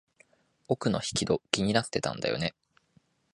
奥の引き戸、気になってたんだよね。